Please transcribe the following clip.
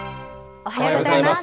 おはようございます。